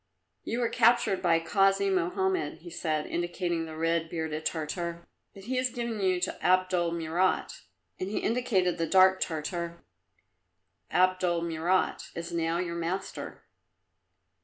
"You were captured by Kasi Mohammed," he said, indicating the red bearded Tartar, "but he has given you to Abdul Murat." And he indicated the dark Tartar. "Abdul Murat is now your master."